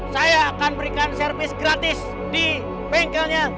saya akan berikan servis gratis di bengkelnya